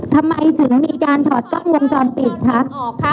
ทำไมถึงมีการถอดกล้องวงจรปิดคะ